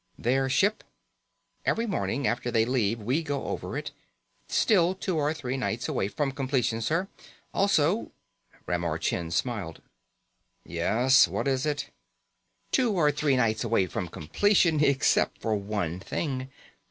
"Their ship?" "Every morning after they leave we go over it. Still two or three nights away from completion, sir. Also " Ramar Chind smiled. "Yes, what is it?" "Two or three nights away from completion, except for one thing.